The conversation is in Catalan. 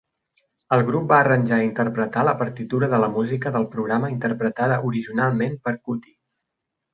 El grup va arranjar i interpretar la partitura de la música del programa interpretada originalment per Kuti.